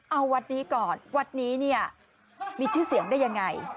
เอาวัดนี้ก่อนวัดนี้เนี่ยมีชื่อเสียงได้ยังไง